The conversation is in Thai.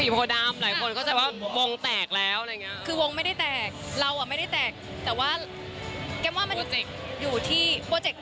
เพราะแก้มว่ามันอยู่ที่โปรเจค